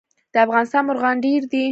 د افغانستان مرغان ډیر دي